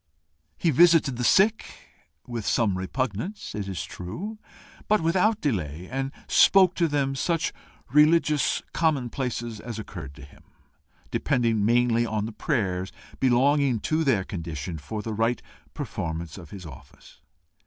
He visited the sick with some repugnance, it is true, but without delay, and spoke to them such religious commonplaces as occurred to him, depending mainly on the prayers belonging to their condition for the right performance of his office.